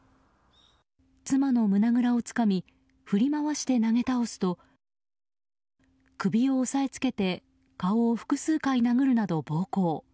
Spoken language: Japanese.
妻の胸ぐらをつかみ振り回して投げ倒すと首を押さえつけて顔を複数回殴るなど暴行。